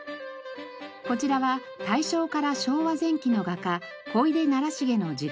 こちらは大正から昭和前期の画家小出重の自画像。